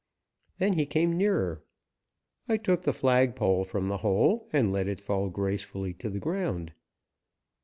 Then he came nearer. I took the flag pole from the hole and let it fall gracefully to the ground.